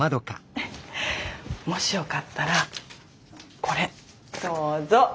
もしよかったらこれどうぞ。